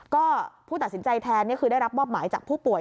ก็ผู้ตัดสินใจแทนนี่คือได้รับมอบหมายจากผู้ป่วย